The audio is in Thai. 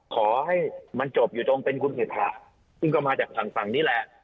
ขอให้มันจบอยู่ตรงเป็นคุณศิษย์ภาพซึ่งก็มาจากฝั่งฝั่งนี่แหละ